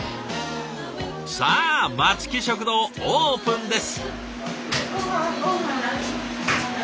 さあ松木食堂オープンです！